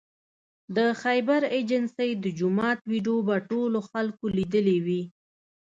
د خیبر ایجنسۍ د جومات ویدیو به ټولو خلکو لیدلې وي